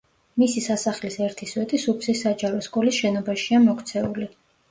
მისი სასახლის ერთი სვეტი სუფსის საჯარო სკოლის შენობაშია მოქცეული.